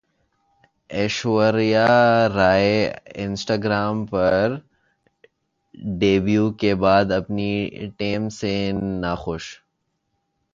Aishwarya Rai Instagram پر debut کے بعد اپنی ٹیم سے ناخوش